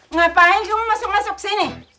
ngapain cuma masuk masuk sini